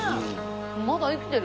「まだ生きてる？」